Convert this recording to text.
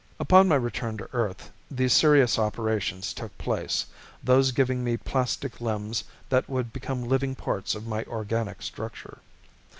Upon my return to Earth, the serious operations took place, those giving me plastic limbs that would become living parts of my organic structure.